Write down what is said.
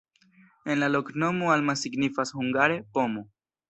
En la loknomo alma signifas hungare: pomo.